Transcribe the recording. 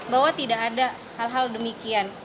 bahwa tidak ada hal hal demikian